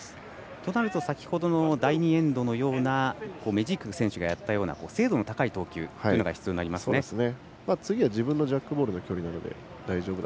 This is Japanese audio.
となると先ほどの第２エンドでメジーク選手がやったような精度の高い投球が必要になりますね。